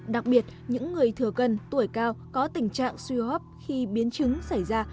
đặc biệt những người thừa cân tuổi cao có tình trạng suy hấp khi biến chứng xảy ra